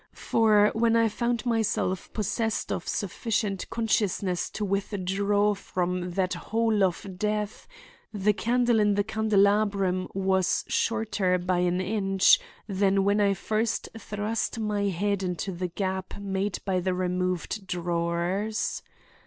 For when I found myself possessed of sufficient consciousness to withdraw from that hole of death, the candle in the candelabrum was shorter by an inch than when I first thrust my head into the gap made by the removed drawers.